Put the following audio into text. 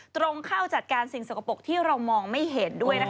ตรงเข้าจัดการสิ่งสกปรกที่เรามองไม่เห็นด้วย